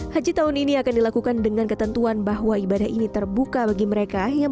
haji tahun ini akan dilakukan dengan ketentuan bahwa ibadah ini terbuka bagi mereka yang